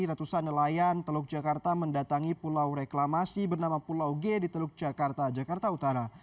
ratusan nelayan teluk jakarta mendatangi pulau reklamasi bernama pulau g di teluk jakarta jakarta utara